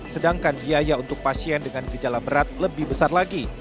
sedangkan biaya untuk pasien dengan gejala berat lebih besar lagi